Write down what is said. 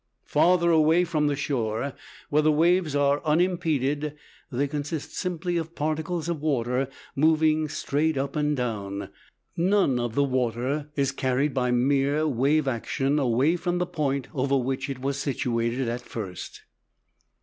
Farther away from the shore, where the waves are unimpeded, they consist simply of particles of water moving straight up and down. None of the water is carried by mere wave action away from the point over which it was situated at first.